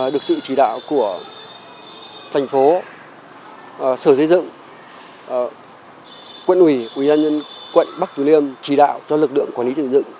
được sự chỉ đạo của thành phố sở xây dựng quận ubnd quận bắc từ liêm chỉ đạo cho lực lượng quản lý trật tự xây dựng